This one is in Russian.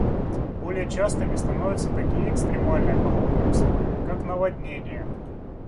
Более частыми становятся такие экстремальные погодные условия, как наводнения.